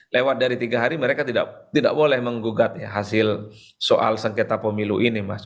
lewat dari tiga hari mereka tidak boleh menggugat ya hasil soal sengketa pemilu ini mas